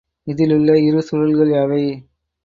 இதிலுள்ள இரு சுருள்கள் யாவை?